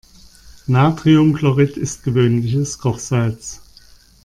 Natriumchlorid ist gewöhnliches Kochsalz.